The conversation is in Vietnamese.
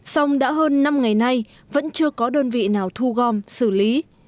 song đã hơn năm ngày nay vẫn chưa có đơn vị nào thu gom xử lý